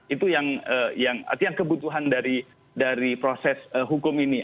itu yang kebutuhan dari proses hukum ini